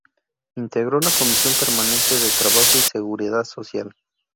Integró la comisión permanente de Trabajo y Seguridad Social.